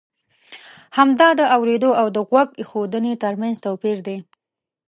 همدا د اورېدو او د غوږ اېښودنې ترمنځ توپی ر دی.